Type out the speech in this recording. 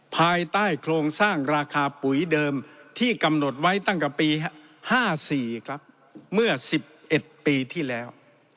ภายใต้โครงสร้างราคาปุ๋ยเดิมที่กำหนดไว้ตั้งแต่ปี๕๔ครับเมื่อ๑๑ปีที่แล้ว